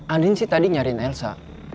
andien sih tadi nyariin elsa